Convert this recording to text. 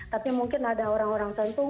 tapi mungkin ada orang orang tertentu